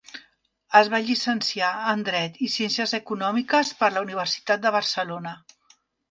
Es va llicenciar en Dret i Ciències econòmiques per la Universitat de Barcelona.